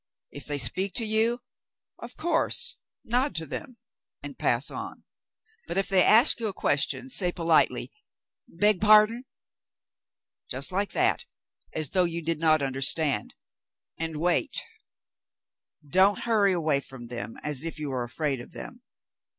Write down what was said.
If they speak to you, of course nod to them and pass on. But if they ask you a question, say politely, * Beg pardon ?' just like that, as though you did not understand — and — wait. Don't hurry away from them as if you were afraid of them.